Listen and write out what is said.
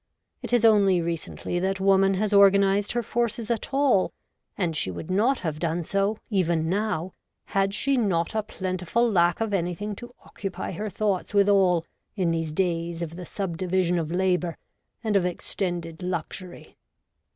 It is only recently that woman has organized her forces at all, and she would not have done so, even now, had she not a plentiful lack of anything to occupy her thoughts withal in these days of the subdivision of labour and of extended luxury.